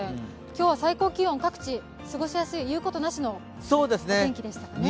今日は最高気温、各地、過ごしやすい、言うことない天気でしたね。